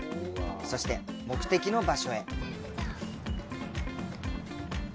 そして、目的の場所へ。